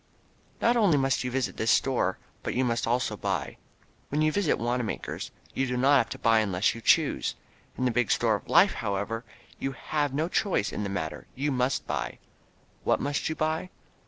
Not only must you visit this store but you must also buy. When you visit Wanamaker's you do not have to buy unless you choose. In the big store of Life, however, you have no choice in the matter, you must buy. What must you buy?